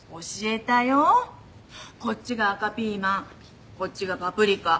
こっちが赤ピーマンこっちがパプリカ。